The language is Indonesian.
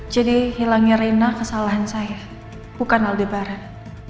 jadi hilangnya rena kesalahan saya bukan aldebaran